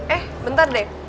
eh bentar deh